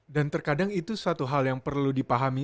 dan terkadang itu satu hal yang perlu dipahami